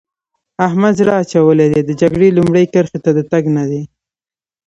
احمد زړه اچولی دی؛ د جګړې لومړۍ کرښې ته د تګ نه دی.